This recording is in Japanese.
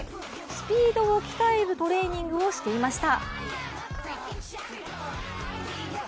スピードを鍛えるトレーニングをしていました。